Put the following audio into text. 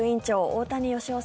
大谷義夫